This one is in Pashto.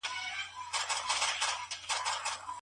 حقوقو پوهنځۍ پرته له پلانه نه پراخیږي.